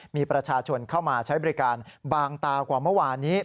มีประชาชนเข้ามาใช้บริการบางตากว่าเมื่อวานนี้